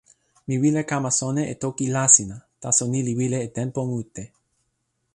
mi wile kama sona e toki Lasina, taso ni li wile e tenpo mute.